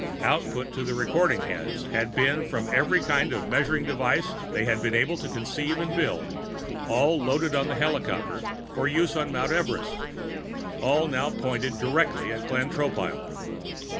Output to the recording heads had been from every kind of measuring device they had been able to conceive and build, all loaded on the helicopter for use on Mount Everest all now pointed directly at Glenn Tropile.